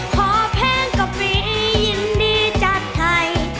ขอเพลงกับพี่ยินดีจัดให้